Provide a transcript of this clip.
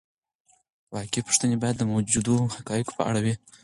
واقعي پوښتنې باید د موجودو حقایقو په اړه وي.